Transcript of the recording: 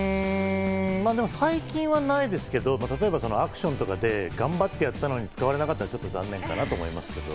最近はないですけど、例えばアクションとかで、頑張ってやったのに使われなかったら、ちょっと残念だなと思いますけど。